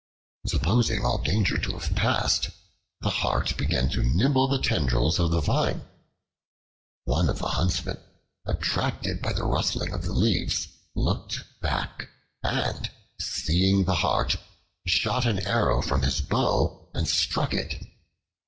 Supposing all danger to have passed, the Hart began to nibble the tendrils of the Vine. One of the huntsmen, attracted by the rustling of the leaves, looked back, and seeing the Hart, shot an arrow from his bow and struck it.